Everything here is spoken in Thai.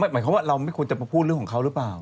หมายความว่าเราไม่ควรจะมาพูดเรื่องของเขาหรือเปล่า